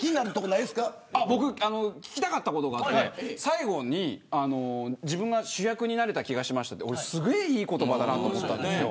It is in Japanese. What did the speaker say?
僕、聞きたかったことがあって最後に、自分が主役になれた気がしましたってすごいいい言葉だと思ったんです。